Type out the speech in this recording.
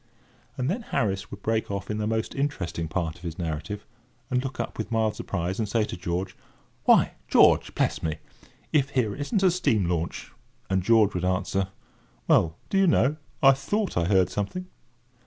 And then Harris would break off in the most interesting part of his narrative, and look up with mild surprise, and say to George: "Why, George, bless me, if here isn't a steam launch!" And George would answer: "Well, do you know, I thought I heard something!"